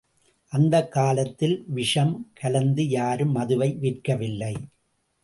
அந்தக் காலத்தில் விஷம் கலந்து யாரும் மதுவை விற்கவில்லை.